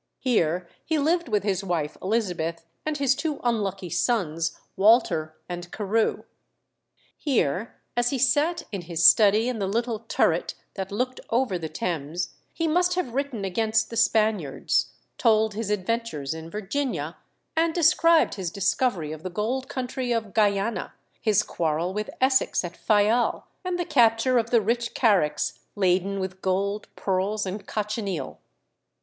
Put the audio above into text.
Here he lived with his wife Elizabeth, and his two unlucky sons Walter and Carew. Here, as he sat in his study in the little turret that looked over the Thames, he must have written against the Spaniards, told his adventures in Virginia, and described his discovery of the gold country of Guiana, his quarrel with Essex at Fayal, and the capture of the rich caracks laden with gold, pearls, and cochineal.